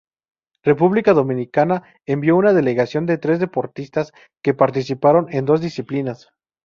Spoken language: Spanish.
República Dominicana envió una delegación de tres deportistas que participaron en dos disciplinas.